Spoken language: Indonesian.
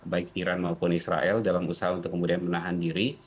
baik iran maupun israel dalam usaha untuk kemudian menahan diri